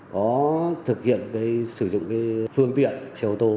có thực hiện sử dụng phương tiện xe ô tô